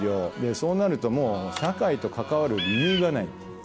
そうなるともう社会と関わる理由がない。